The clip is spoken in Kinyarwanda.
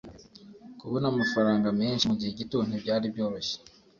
kubona amafaranga menshi mugihe gito ntibyari byoroshye